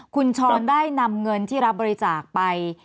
คุณชรได้นำเงินที่รับบริจาคไป